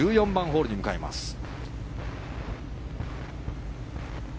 １４番ホールに向かいます。